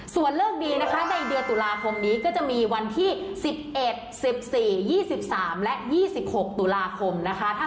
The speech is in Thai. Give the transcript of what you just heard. ส่วนเลิกดีนะคะในเดือนตุลาคมนี้ก็จะมีวันที่๑๑๑๔๒๓และ๒๖ตุลาคมนะคะ